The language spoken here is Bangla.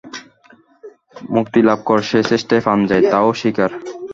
মুক্তিলাভ কর, সে চেষ্টায় প্রাণ যায়, তাও স্বীকার।